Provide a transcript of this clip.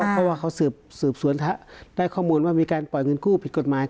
เพราะว่าเขาสืบสวนได้ข้อมูลว่ามีการปล่อยเงินกู้ผิดกฎหมาย